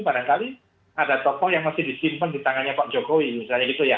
barangkali ada tokoh yang mesti disimpan di tangannya pak jokowi misalnya gitu ya